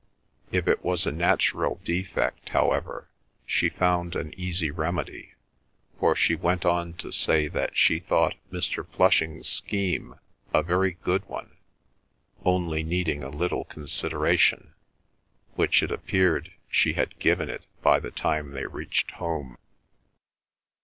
If it was a natural defect, however, she found an easy remedy, for she went on to say that she thought Mr. Flushing's scheme a very good one, only needing a little consideration, which it appeared she had given it by the time they reached home.